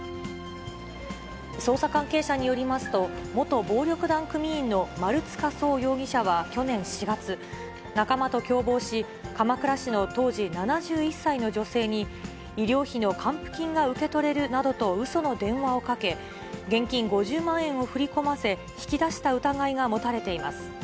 捜査関係者によりますと、元暴力団組員の丸塚創容疑者は去年４月、仲間と共謀し、鎌倉市の当時７１歳の女性に、医療費の還付金が受け取れるなどとうその電話をかけ、現金５０万円を振り込ませ、引き出した疑いが持たれています。